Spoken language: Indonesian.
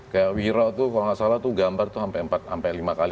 kayak wiro itu kalau nggak salah itu gambar itu sampai empat sampai lima kali